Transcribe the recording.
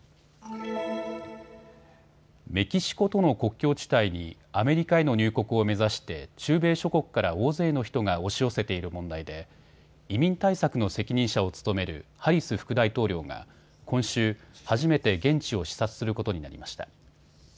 メキシコとの国境地帯にアメリカへの入国を目指して中米諸国から大勢の人が押し寄せている問題で移民対策の責任者を務めるハリス副大統領が今週、初めて現地を視察することになりました。